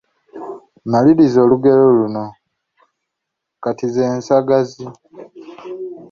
Maliriza olugero luno: “…., kati ze nsagazi”.